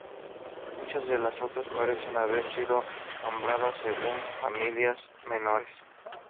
Muchas de las otras parecen haber sido nombradas según familias menores.